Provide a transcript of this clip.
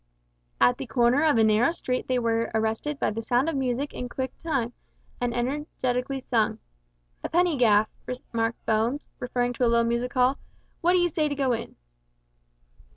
At the corner of a narrow street they were arrested by the sound of music in quick time, and energetically sung. "A penny gaff," remarked Bones, referring to a low music hall; "what d'ee say to go in?"